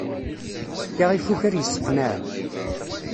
Tefka ifukal yesseqnaɛen.